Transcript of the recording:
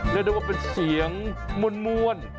เดี๋ยวดูว่าเป็นเสียงมวล